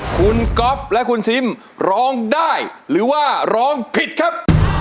คุณก๊อฟและคุณซิมร้องได้หรือว่าร้องผิดครับ